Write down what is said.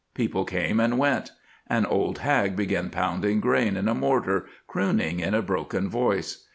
People came and went. An old hag began pounding grain in a mortar, crooning in a broken voice.